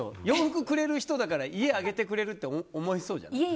洋服をくれる人だから家にあげてくれるって思いそうじゃん。